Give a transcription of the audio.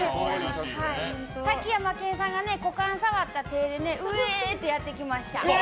さっきヤマケンさんが股間を触った手でウエってやってきました。